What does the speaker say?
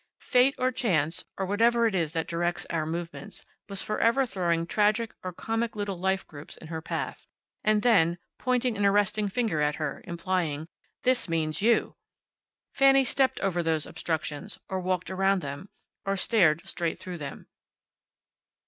Fate, or Chance, or whatever it is that directs our movements, was forever throwing tragic or comic little life groups in her path, and then, pointing an arresting finger at her, implying, "This means you!" Fanny stepped over these obstructions, or walked around them, or stared straight through them.